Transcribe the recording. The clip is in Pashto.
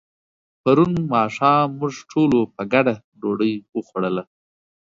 پرون ماښام موږ ټولو په ګډه ډوډۍ وخوړله.